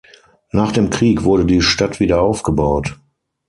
Nach dem Krieg wurde die Stadt wieder aufgebaut.